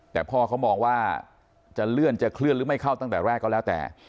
แต่พ่อเขามองว่าจะเลื่อนจะเคลื่อนหรือไม่เข้าตั้งแต่แรกก็แล้วแต่